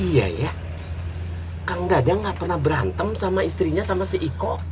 ih iya ya kang dadang gak pernah berantem sama istrinya sama si iko